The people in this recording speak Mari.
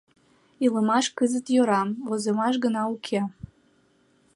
Илымаш кызыт йӧра, возымаш гына уке.